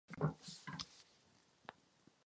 Používá celou řadu technik.